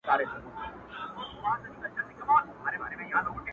د سترگو کسي چي دي سره په دې لوگيو نه سي ـ